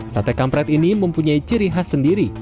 sate kampret ini mempunyai ciri khas sendiri